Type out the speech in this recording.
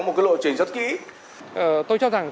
một cái lộ truyền rất kỹ tôi cho rằng